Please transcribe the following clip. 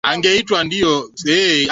mashua ilianza kushuka ndani ya maji